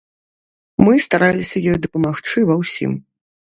Мы стараліся ёй дапамагчы ва ўсім.